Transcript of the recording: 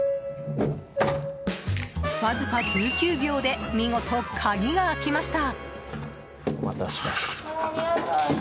わずか１９秒で見事、鍵が開きました。